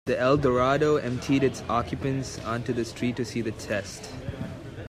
The Eldorado emptied its occupants into the street to see the test.